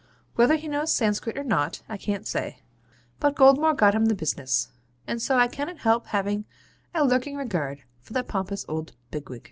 Whether he knows Sanscrit or not, I can't say; but Goldmore got him the business; and so I cannot help having a lurking regard for that pompous old Bigwig.